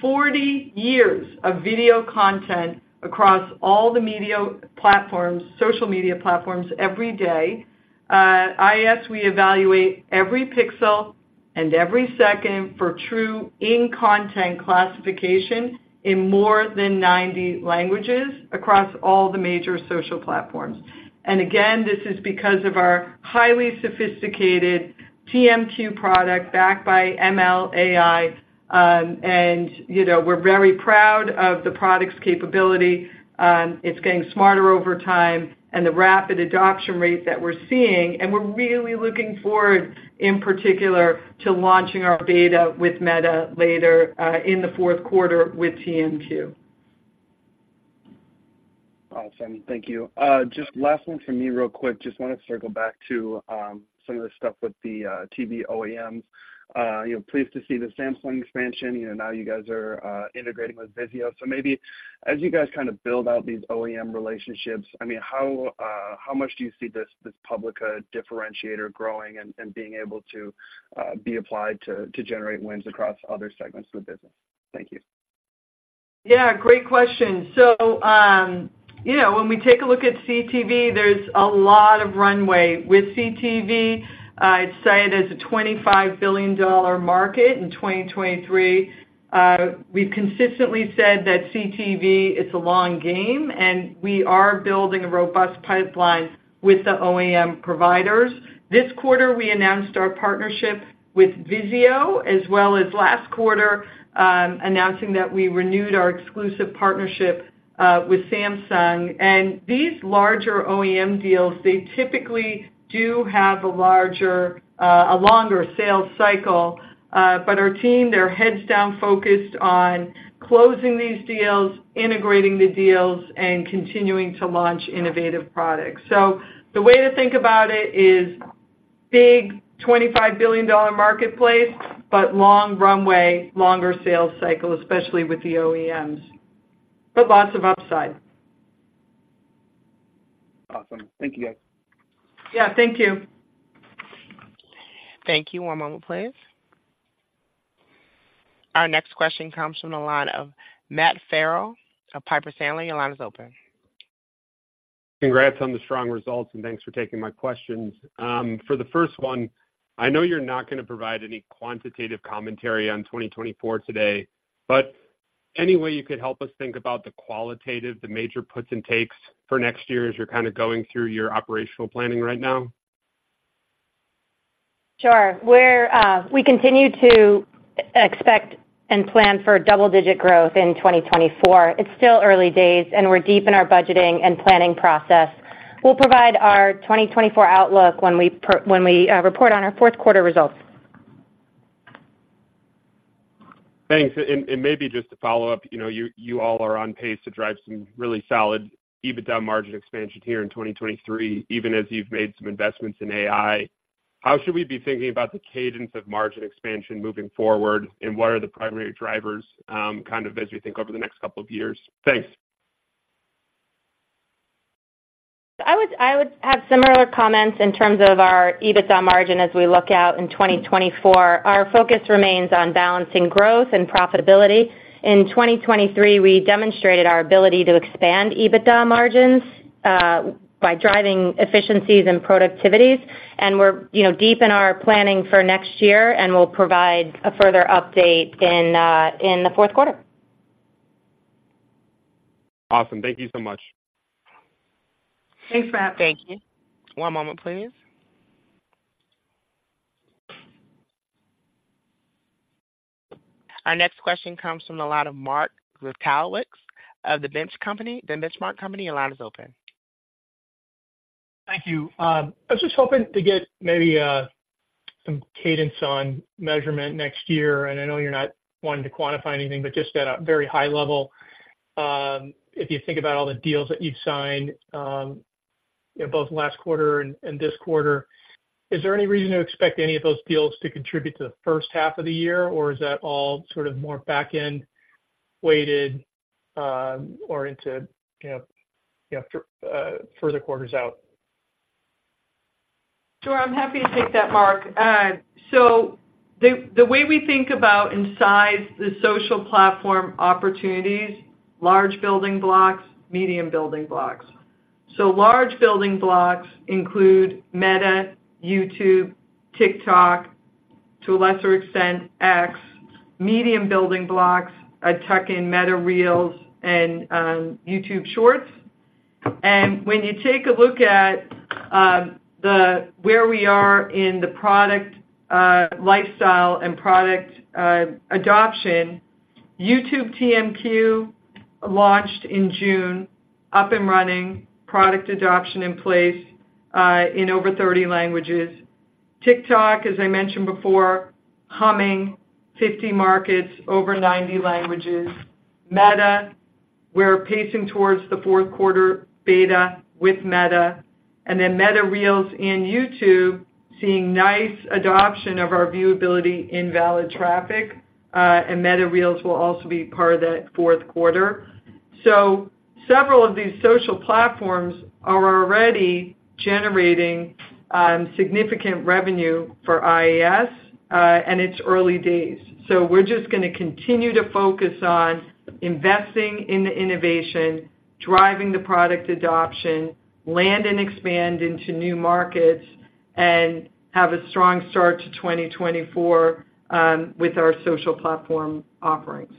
40 years of video content across all the media platforms, social media platforms every day. IAS, we evaluate every pixel and every second for true in-content classification in more than 90 languages across all the major social platforms. And again, this is because of our highly sophisticated TMQ product, backed by ML, AI, and, you know, we're very proud of the product's capability. It's getting smarter over time and the rapid adoption rate that we're seeing, and we're really looking forward, in particular, to launching our beta with Meta later in the fourth quarter with TMQ. Awesome. Thank you. Just last one for me, real quick. Just wanna circle back to some of the stuff with the TV OEMs. You know, pleased to see the Samsung expansion, you know, now you guys are integrating with Vizio. So maybe as you guys kind of build out these OEM relationships, I mean, how much do you see this Publica differentiator growing and being able to be applied to generate wins across other segments of the business? Thank you.... Yeah, great question. So, you know, when we take a look at CTV, there's a lot of runway. With CTV, I'd say it is a $25 billion market in 2023. We've consistently said that CTV, it's a long game, and we are building a robust pipeline with the OEM providers. This quarter, we announced our partnership with Vizio, as well as last quarter, announcing that we renewed our exclusive partnership with Samsung. And these larger OEM deals, they typically do have a larger, a longer sales cycle. But our team, they're heads down, focused on closing these deals, integrating the deals, and continuing to launch innovative products. So the way to think about it is big $25 billion marketplace, but long runway, longer sales cycle, especially with the OEMs, but lots of upside. Awesome. Thank you, guys. Yeah, thank you. Thank you. One moment, please. Our next question comes from the line of Matt Farrell of Piper Sandler. Your line is open. Congrats on the strong results, and thanks for taking my questions. For the first one, I know you're not going to provide any quantitative commentary on 2024 today, but any way you could help us think about the qualitative, the major puts and takes for next year as you're kind of going through your operational planning right now? Sure. We continue to expect and plan for double-digit growth in 2024. It's still early days, and we're deep in our budgeting and planning process. We'll provide our 2024 outlook when we report on our fourth quarter results. Thanks. And maybe just to follow up, you know, you all are on pace to drive some really solid EBITDA margin expansion here in 2023, even as you've made some investments in AI. How should we be thinking about the cadence of margin expansion moving forward, and what are the primary drivers, kind of as we think over the next couple of years? Thanks. I would have similar comments in terms of our EBITDA margin as we look out in 2024. Our focus remains on balancing growth and profitability. In 2023, we demonstrated our ability to expand EBITDA margins by driving efficiencies and productivities. We're, you know, deep in our planning for next year, and we'll provide a further update in the fourth quarter. Awesome. Thank you so much. Thanks, Matt. Thank you. One moment, please. Our next question comes from the line of Mark Zgutowicz of The Benchmark Company. Your line is open. Thank you. I was just hoping to get maybe some cadence on measurement next year, and I know you're not wanting to quantify anything, but just at a very high level, if you think about all the deals that you've signed, you know, both last quarter and this quarter, is there any reason to expect any of those deals to contribute to the first half of the year, or is that all sort of more back-end weighted, oriented, you know, further quarters out? Sure. I'm happy to take that, Mark. So the way we think about and size the social platform opportunities, large building blocks, medium building blocks. So large building blocks include Meta, YouTube, TikTok, to a lesser extent, X. Medium building blocks, I tuck in Meta Reels and YouTube Shorts. And when you take a look at where we are in the product lifecycle and product adoption, YouTube TMQ launched in June, up and running, product adoption in place in over 30 languages. TikTok, as I mentioned before, humming 50 markets, over 90 languages. Meta, we're pacing towards the fourth quarter beta with Meta, and then Meta Reels and YouTube seeing nice adoption of our viewability and invalid traffic, and Meta Reels will also be part of that fourth quarter. So several of these social platforms are already generating significant revenue for IAS, and it's early days. So we're just going to continue to focus on investing in the innovation, driving the product adoption, land and expand into new markets, and have a strong start to 2024 with our social platform offerings.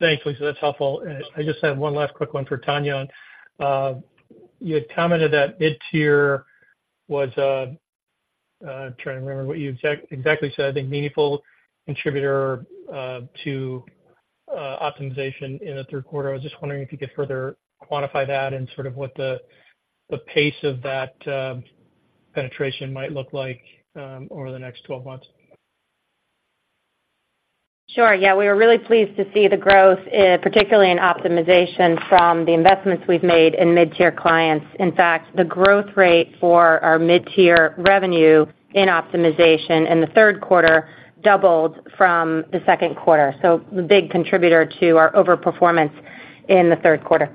Thanks, Lisa. That's helpful. I just have one last quick one for Tania. You had commented that mid-tier was, trying to remember what you exactly said, I think, meaningful contributor to optimization in the third quarter. I was just wondering if you could further quantify that and sort of what the pace of that penetration might look like over the next 12 months. Sure. Yeah, we were really pleased to see the growth, particularly in optimization from the investments we've made in mid-tier clients. In fact, the growth rate for our mid-tier revenue in optimization in the third quarter doubled from the second quarter. So a big contributor to our overperformance in the third quarter....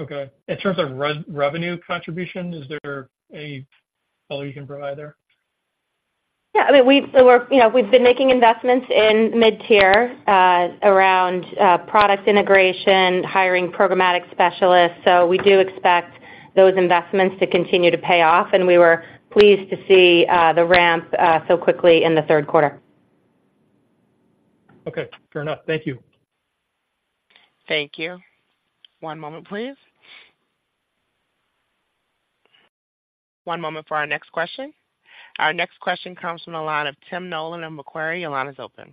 Okay. In terms of revenue contribution, is there any color you can provide there? Yeah, I mean, you know, we've been making investments in mid-tier around product integration, hiring programmatic specialists. So we do expect those investments to continue to pay off, and we were pleased to see the ramp so quickly in the third quarter. Okay, fair enough. Thank you. Thank you. One moment, please. One moment for our next question. Our next question comes from the line of Tim Nollen at Macquarie. Your line is open.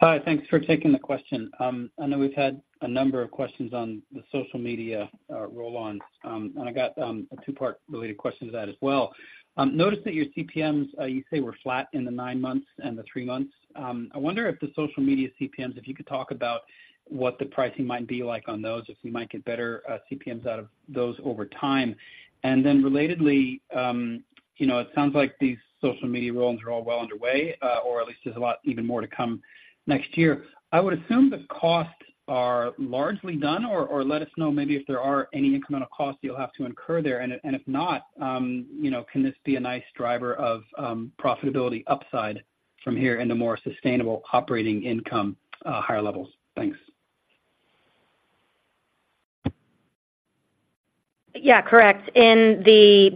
Hi, thanks for taking the question. I know we've had a number of questions on the social media rollout, and I got a two-part related question to that as well. Noticed that your CPMs you say were flat in the nine months and the three months. I wonder if the social media CPMs, if you could talk about what the pricing might be like on those, if you might get better CPMs out of those over time. And then relatedly, you know, it sounds like these social media rollouts are all well underway, or at least there's a lot even more to come next year. I would assume the costs are largely done, or let us know maybe if there are any incremental costs you'll have to incur there. If not, you know, can this be a nice driver of profitability upside from here into more sustainable operating income, higher levels? Thanks. Yeah, correct. In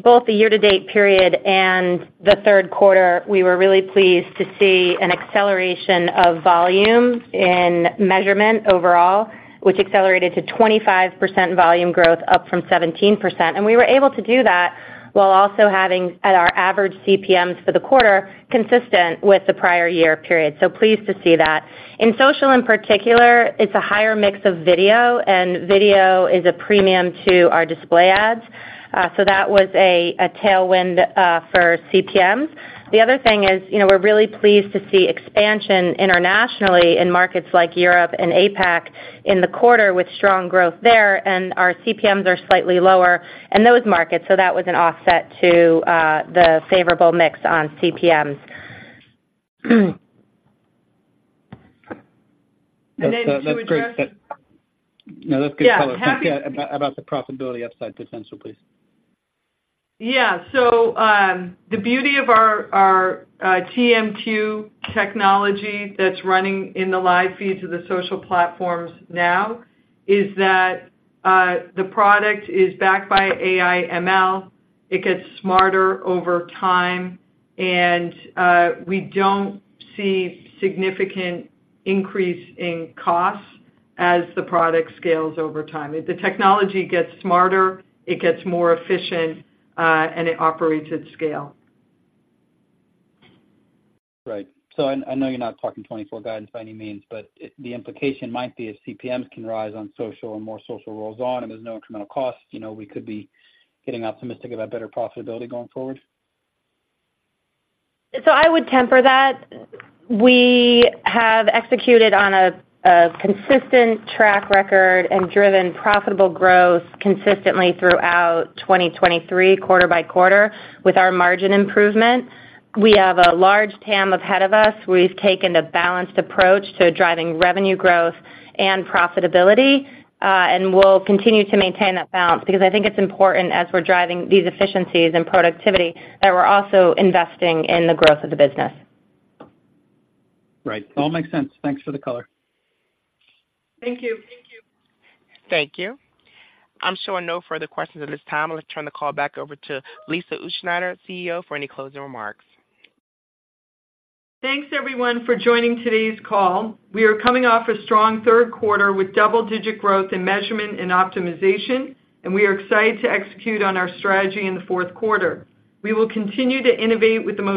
both the year-to-date period and the third quarter, we were really pleased to see an acceleration of volume in measurement overall, which accelerated to 25% volume growth, up from 17%. We were able to do that while also having our average CPMs for the quarter consistent with the prior year period. Pleased to see that. In social, in particular, it's a higher mix of video, and video is a premium to our display ads, so that was a tailwind for CPMs. The other thing is, you know, we're really pleased to see expansion internationally in markets like Europe and APAC in the quarter, with strong growth there, and our CPMs are slightly lower in those markets, so that was an offset to the favorable mix on CPMs. And then to address the- No, that's good color- Yeah About the profitability upside potential, please. Yeah. So, the beauty of our TMQ technology that's running in the live feeds of the social platforms now is that the product is backed by AI ML. It gets smarter over time, and we don't see significant increase in costs as the product scales over time. The technology gets smarter, it gets more efficient, and it operates at scale. Right. So I, I know you're not talking 2024 guidance by any means, but it, the implication might be if CPMs can rise on social and more social rolls on, and there's no incremental cost, you know, we could be getting optimistic about better profitability going forward? So I would temper that. We have executed on a consistent track record and driven profitable growth consistently throughout 2023, quarter-by-quarter, with our margin improvement. We have a large TAM ahead of us, we've taken a balanced approach to driving revenue growth and profitability, and we'll continue to maintain that balance, because I think it's important as we're driving these efficiencies and productivity, that we're also investing in the growth of the business. Right. All makes sense. Thanks for the color. Thank you. Thank you. I'm showing no further questions at this time. Let's turn the call back over to Lisa Utzschneider, CEO, for any closing remarks. Thanks, everyone, for joining today's call. We are coming off a strong third quarter with double-digit growth in measurement and optimization, and we are excited to execute on our strategy in the fourth quarter. We will continue to innovate with the most-